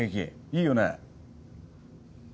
いいよな？